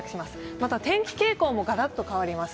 また、天気傾向もガラッと変わります。